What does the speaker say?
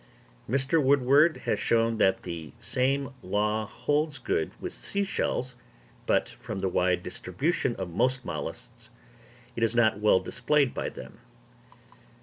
Mr. Woodward has shown that the same law holds good with sea shells, but, from the wide distribution of most molluscs, it is not well displayed by them.